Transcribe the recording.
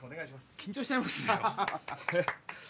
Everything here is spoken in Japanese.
緊張しちゃいますよ